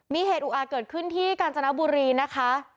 มีเหตุอุอาจเกิดขึ้นที่กาญจนบุรีนะคะ